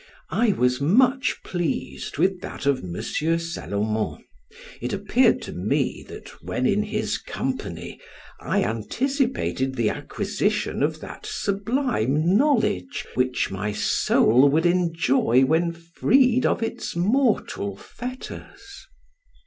I was much pleased with that of M. Salomon; it appeared to me, that when in his company, I anticipated the acquisition of that sublime knowledge which my soul would enjoy when freed from its mortal fetters.